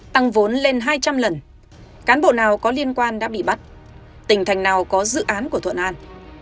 tăng vốn lên hai trăm linh lần cán bộ nào có liên quan đã bị bắt tỉnh thành nào có dự án của thuận an